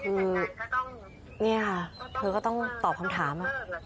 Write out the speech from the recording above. คือนี่ค่ะเธอก็ต้องตอบคำถาม